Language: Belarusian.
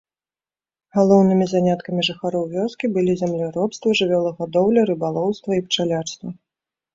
Галоўнымі заняткамі жыхароў вёскі былі земляробства, жывёлагадоўля, рыбалоўства і пчалярства.